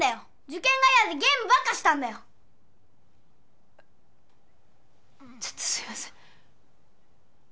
受験が嫌でゲームばっかしたんだよちょっとすいません